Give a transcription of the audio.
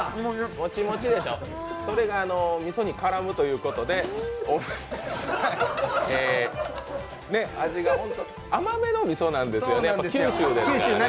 もちもちでしょう、それがみそに絡むということで味がホント、甘めのみそなんですよ。